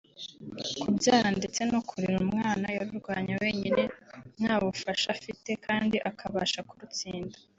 kubyara ndetse no kurera umwana yarurwanye wenyine nta bufasha afite kandi akabasha kurutsinda